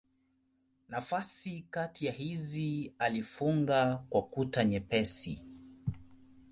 Nafasi kati ya hizi alifunga kwa kuta nyepesi.